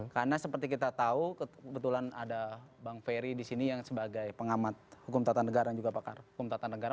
karena seperti kita tahu kebetulan ada bang feri disini yang sebagai pengamat hukum tatan negara juga pakar hukum tatan negara